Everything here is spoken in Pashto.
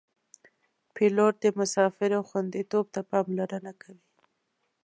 پیلوټ د مسافرو خوندیتوب ته پاملرنه کوي.